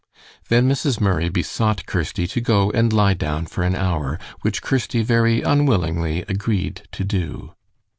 Then Mrs. Murray besought Kirsty to go and lie down for an hour, which Kirsty very unwillingly agreed to do.